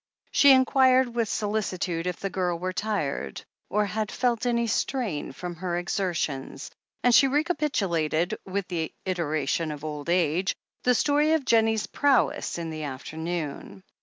She inquired with solicitude if the girl were tired, or had felt any strain from her exertions, and she recapitulated, with the iteration of old age, the story of Jennie's prowess in the afternoon.